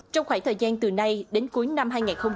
trong khoảng thời gian từ nay đến cuối năm hai nghìn hai mươi